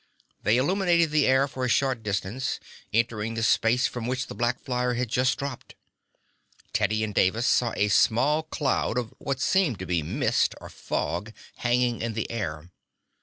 They illuminated the air for a short distance, entering the space from which the black flyer had just dropped. Teddy and Davis saw a small cloud of what seemed to be mist or fog hanging in the air.